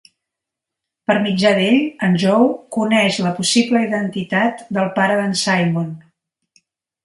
Per mitjà d'ell, en Joe coneix la possible identitat del pare d'en Simon.